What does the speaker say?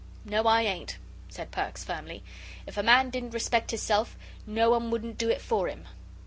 "No, I ain't," said Perks, firmly; "if a man didn't respect hisself, no one wouldn't do it for him."